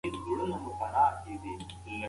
د خوښۍ لامل ګرځیدل د کورنۍ د پلار یوه مسؤلیت ده.